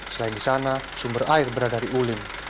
selain di sana sumber air berada di ulin